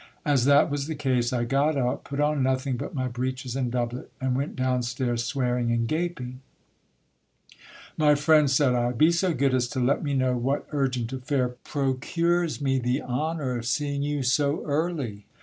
As that was the case I got up, put on nothing but my breeches and doublet, and went down stairs, swearing and gaping. My friend, said I, be so good as to let me know what urgent affair procures me the honour of seeing you so early